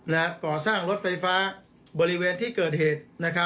และก่อสร้างรถไฟฟ้าบริเวณที่เกิดเหตุ